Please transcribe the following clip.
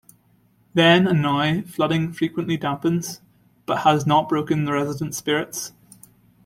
Then and now, flooding frequently dampens, but has not broken the residents' spirits.